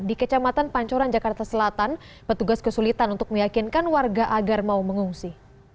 di kecamatan pancoran jakarta selatan petugas kesulitan untuk meyakinkan warga agar mau mengungsi